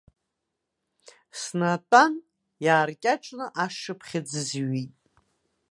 Снатәан, иааркьаҿны ашшыԥхьыӡ зҩит.